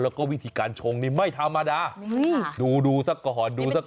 แล้วก็วิธีการชงนี่ไม่ธรรมดาดูดูซะก่อนดูสักก่อน